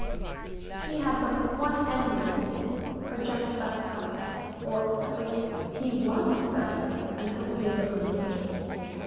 She had but one enemy in the world, her Jack's best friend, or at least, he was his best friend until the days of her engagement.